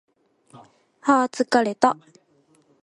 はー疲れた